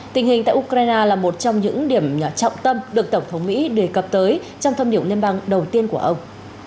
tình hình tại ukraine là một trong những điểm trọng tâm được tổng thống mỹ đề cập tới trong thông điệp liên bang đầu tiên của ông